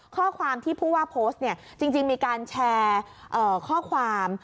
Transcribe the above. ข้อความที่ผู้ว่าโพสต์เนี่ยจริงมีการแชร์ข้อความ